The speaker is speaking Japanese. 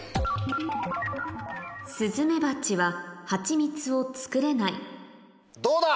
スズメバチはハチミツを作れないどうだ？